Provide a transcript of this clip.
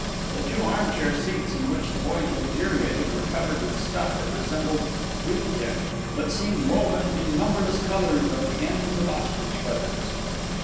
The two armchair seats in which the boys luxuriated were covered with stuff that resembled duvetyn, but seemed woven in numberless colours of the ends of ostrich feathers.